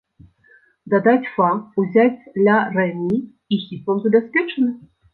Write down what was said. Дадаць фа, узяць ля-рэ-мі, і хіт вам забяспечаны!